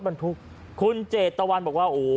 มันทุกข์คุณเจตะวันบอกว่า